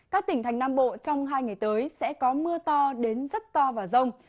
các tỉnh thành nam bộ trong hai ngày tới sẽ có mưa to đến rất to và rông